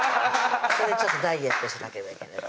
それでちょっとダイエットしなければいけない